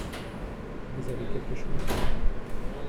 Vous avez quelque chose ?